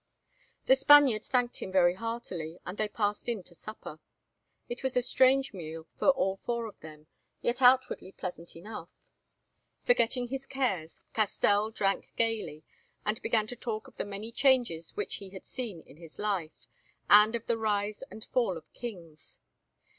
The Spaniard thanked him very heartily, and they passed in to supper. It was a strange meal for all four of them, yet outwardly pleasant enough. Forgetting his cares, Castell drank gaily, and began to talk of the many changes which he had seen in his life, and of the rise and fall of kings.